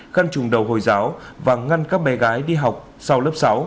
khăn trùng đầu hồi giáo và ngăn các bé gái đi học sau lớp sáu